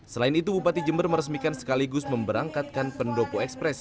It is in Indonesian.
selain itu bupati jember meresmikan sekaligus memberangkatkan pendopo ekspres